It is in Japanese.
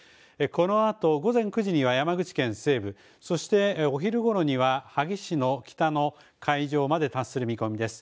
このあと午前９時には山口県西部、そしてお昼ごろには萩市の北の海上まで達する見込みです。